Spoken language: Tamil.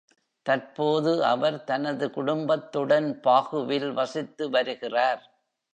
தற்போது அவர் தனது குடும்பத்துடன் பாகுவில் வசித்து வருகிறார்.